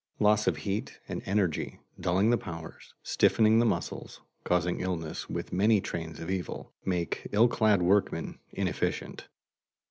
Loss of heat and energy, dulling the powers, stiffening the muscles, causing illness with many trains of evils, make ill clad workmen inefficient.